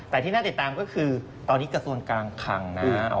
แต่ที่น่าติดตามก็คือตอนนี้กระทรวงการคังนะฮะ